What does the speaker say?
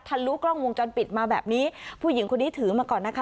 ลุกล้องวงจรปิดมาแบบนี้ผู้หญิงคนนี้ถือมาก่อนนะคะ